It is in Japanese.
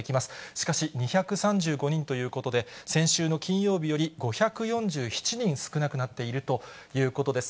しかし、２３５人ということで、先週の金曜日より５４７人少なくなっているということです。